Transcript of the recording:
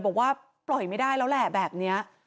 บอกว่าปล่อยไม่ได้แล้วแหละแบบนี้